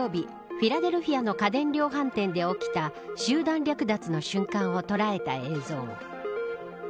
フィラデルフィアの家電量販店で起きた集団略奪の瞬間を捉えた映像。